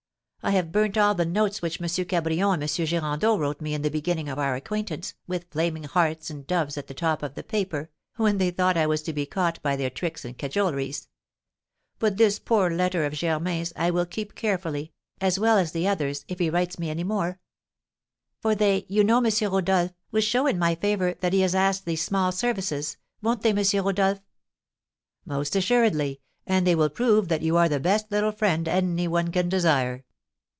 I have burnt all the notes which M. Cabrion and M. Girandeau wrote me in the beginning of our acquaintance, with flaming hearts and doves at the top of the paper, when they thought I was to be caught by their tricks and cajoleries; but this poor letter of Germain's I will keep carefully, as well as the others, if he writes me any more; for they, you know, M. Rodolph, will show in my favour that he has asked these small services, won't they, M. Rodolph?" "Most assuredly; and they will prove that you are the best little friend any one can desire.